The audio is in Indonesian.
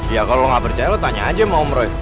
ya kalau lu gak percaya lu tanya aja sama om roy